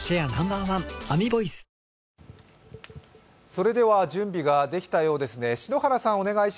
それでは準備ができたようですね。